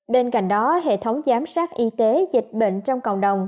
bên cạnh đó hệ thống giám sát y tế dịch bệnh trong cộng đồng